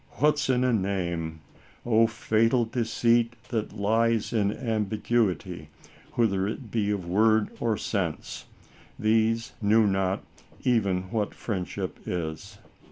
" What's in a name ?" O fatal deceit that lies in ambiguity, whether it be of word or sense ! These knew not even what friendship is.